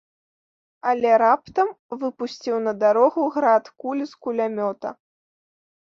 Але раптам выпусціў на дарогу град куль з кулямёта.